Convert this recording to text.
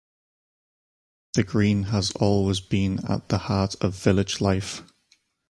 The Green has always been at the heart of village life.